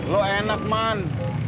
lu enak man